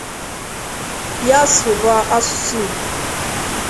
ya sụba asụsụ Igbo